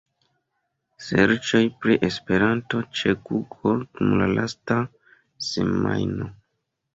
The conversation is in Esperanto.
Serĉoj pri “Esperanto” ĉe Google dum la lasta semajno.